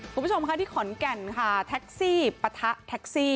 คุณผู้ชมค่ะที่ขอนแก่นค่ะแท็กซี่ปะทะแท็กซี่